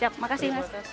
siap makasih mas